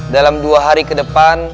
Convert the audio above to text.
dalam dua hari ke depan